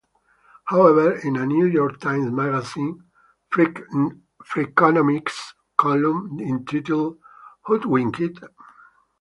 However, in a "New York Times Magazine" "Freakonomics" column, entitled "Hoodwinked?